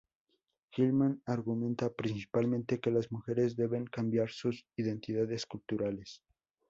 Gilman argumenta principalmente que las mujeres deben cambiar sus identidades culturales.